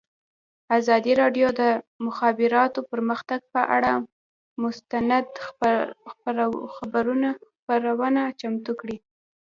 ازادي راډیو د د مخابراتو پرمختګ پر اړه مستند خپرونه چمتو کړې.